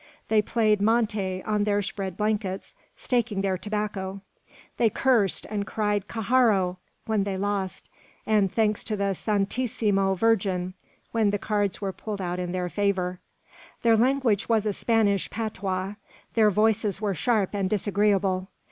They played monte on their spread blankets, staking their tobacco. They cursed, and cried "Carrajo!" when they lost, and thanks to the "Santisima Virgin" when the cards were pulled out in their favour! Their language was a Spanish patois; their voices were sharp and disagreeable.